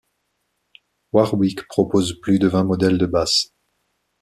Warwick propose plus de vingt modèles de basses.